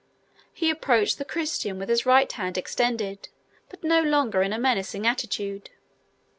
He approached the Christian with his right hand extended, but no longer in a menacing attitude.